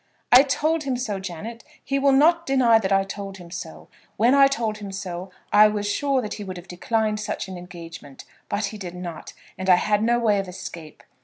"I told him so, Janet. He will not deny that I told him so. When I told him so, I was sure that he would have declined such an engagement. But he did not, and I had no way of escape.